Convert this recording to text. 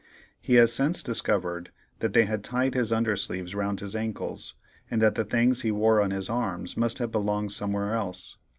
He has since discovered that they had tied his under sleeves round his ankles, and that the things he wore on his arms must have belonged somewhere else.